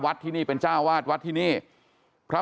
เมื่อยครับเมื่อยครับ